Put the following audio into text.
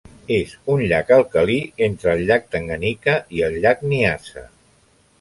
És un llac alcalí entre el Llac Tanganyika i el Llac Nyasa.